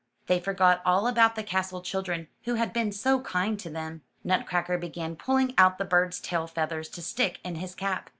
They forgot all about the castle children who had been so kind to them. Nutcracker began pulling out the birds' tail feathers to stick in his cap.